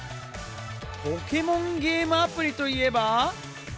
ポケモンゲームアプリといえば。